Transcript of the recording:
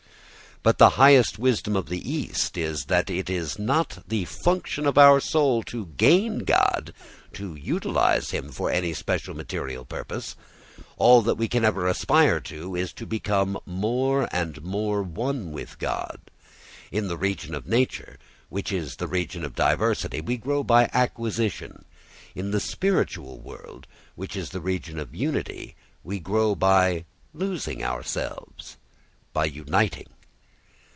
But the highest wisdom in the East holds that it is not the function of our soul to gain God, to utilise him for any special material purpose. All that we can ever aspire to is to become more and more one with God. In the region of nature, which is the region of diversity, we grow by acquisition; in the spiritual world, which is the region of unity, we grow by losing ourselves, by uniting.